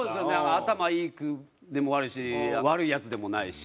頭いいでもないし悪いヤツでもないし。